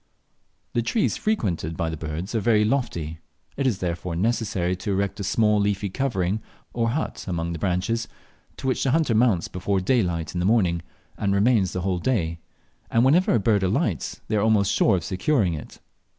The trees frequented by the birds are very lofty; it is therefore necessary to erect a small leafy covering or hut among the branches, to which the hunter mounts before daylight in the morning and remains the whole day, and whenever a bird alights they are almost sure of securing it.